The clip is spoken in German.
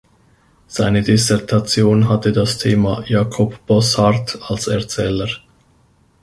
Seine Dissertation hatte das Thema „Jakob Bosshart als Erzähler“.